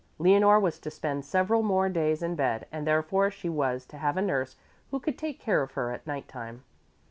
Leonore was to spend several more days in bed and therefore she was to have a nurse who could also take care of her at night time.